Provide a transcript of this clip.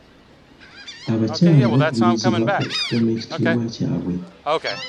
Abakyala bakubirizibwa okukuuma ekitiibwa kyabwe.